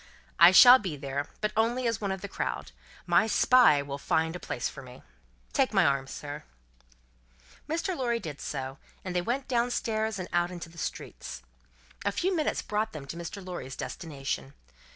"I shall be there, but only as one of the crowd. My Spy will find a place for me. Take my arm, sir." Mr. Lorry did so, and they went down stairs and out in the streets. A few minutes brought them to Mr. Lorry's destination.